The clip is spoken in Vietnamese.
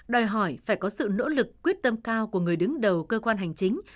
đòi hỏi phải có sự nỗ lực quyết tâm cao của người đứng đầu cơ quan hành chính